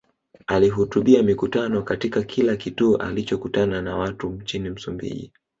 Alihutubia mikutano katika kila kituo alichokutana na watu nchini Msumbiji